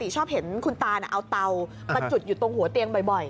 ชอบเห็นคุณตาเอาเตามาจุดอยู่ตรงหัวเตียงบ่อย